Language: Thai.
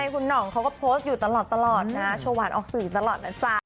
คุณหน่องเขาก็โพสต์อยู่ตลอดนะโชวานออกสื่อตลอดนะจ๊ะ